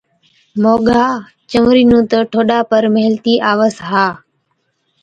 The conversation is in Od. ’موڳا، چونئرِي نُون تہ ٺوڏا پر ميهلتِي آوَس ها‘۔